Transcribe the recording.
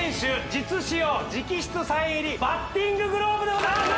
実使用直筆サイン入りバッティンググローブでございます